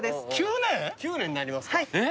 ９年⁉９年になりますか。